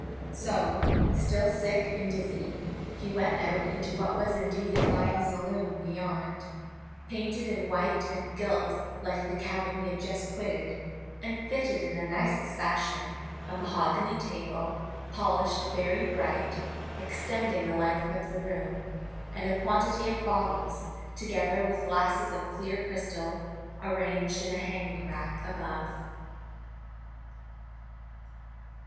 So, still sick and dizzy, he went out into what was indeed a fine saloon beyond, painted in white and gilt like the cabin he had just quitted, and fitted in the nicest fashion, a mahogany table, polished very bright, extending the length of the room, and a quantity of bottles, together with glasses of clear crystal, arranged in a hanging rack above.